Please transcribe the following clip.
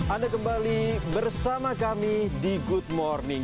anda kembali bersama kami di good morning